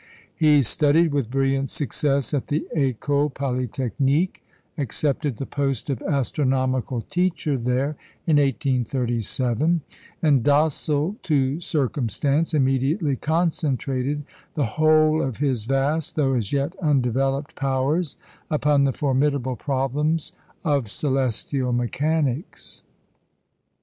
He studied with brilliant success at the École Polytechnique, accepted the post of astronomical teacher there in 1837, and, "docile to circumstance," immediately concentrated the whole of his vast, though as yet undeveloped powers upon the formidable problems, of celestial mechanics.